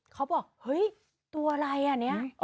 เขาบอกเฮ้ยตัวอะไรนี้